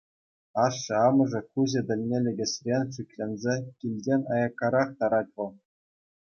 Ашшӗ-амӑшӗ куҫӗ тӗлне лекесрен шикленсе килтен аяккарах тарать вӑл.